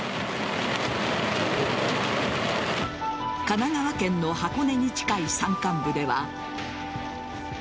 神奈川県の箱根に近い山間部では。